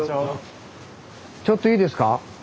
ちょっといいですか。